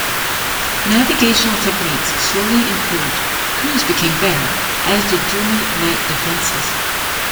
Navigational techniques slowly improved, crews became better, as did German night defenses.